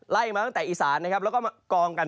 ไล่มาตั้งแต่อีสานแล้วก็กองกัน